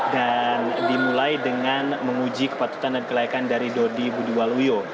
dan dimulai dengan menguji kepatutan dan kelayakan dari dodi budiwaluyo